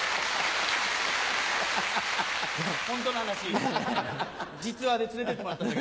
ホントの話実話で連れてってもらった時の。